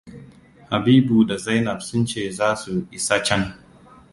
Habibu da Zainab sun ce za su isa can.